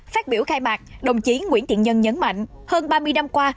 phát biểu khai mạc đồng chí nguyễn thiện nhân nhấn mạnh hơn ba mươi năm qua